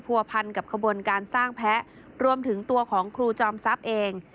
พันกับขบวนการสร้างแพ้รวมถึงตัวของครูจอมทรัพย์เอง